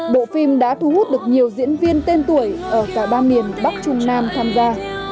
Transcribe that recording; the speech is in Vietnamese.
bộ phim đã thu hút được nhiều diễn viên tên tuổi ở cả ba miền bắc trung nam tham gia